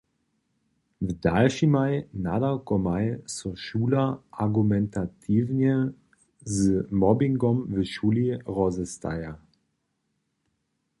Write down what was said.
W dalšimaj nadawkomaj so šuler argumentatiwnje z mobbingom w šuli rozestaja.